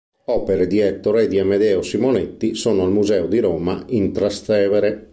Opere di Ettore e di Amedeo Simonetti sono al Museo di Roma in Trastevere.